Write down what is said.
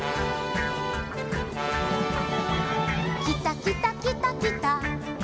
「きたきたきたきた」